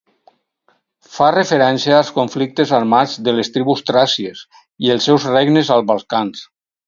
Fa referència als conflictes armats de les tribus Tràcies i els seus regnes als Balcans.